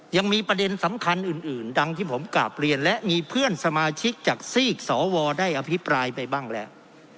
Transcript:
ยังมีประเด็นสำคัญอื่นดังที่ผมกราบเรียนและมีเพื่อนสมาชิกจากซีกสวได้อภิปรายไปบ้างแล้ว